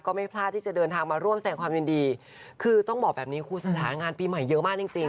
ไม่พลาดที่จะเดินทางมาร่วมแสงความยินดีคือต้องบอกแบบนี้ครูสถานงานปีใหม่เยอะมากจริงจริง